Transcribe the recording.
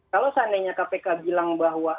kalau seandainya kpk bilang bahwa